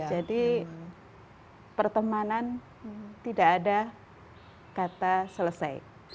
jadi pertemanan tidak ada kata selesai